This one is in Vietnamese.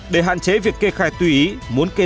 để hạn chế việc kê khai tùy ý muốn kê